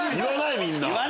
みんな。